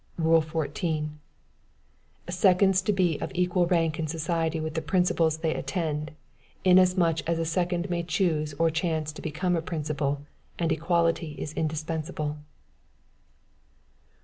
"Rule 14. Seconds to be of equal rank in society with the principals they attend, inasmuch as a second may choose or chance to become a principal, and equality is indispensable.